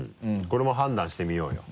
これも判断してみようよ。